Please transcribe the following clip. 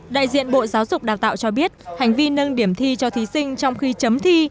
đại diện bộ giáo dục đào tạo cho biết hành vi nâng điểm thi cho thí sinh trong khi chấm thi